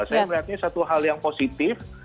saya melihatnya satu hal yang positif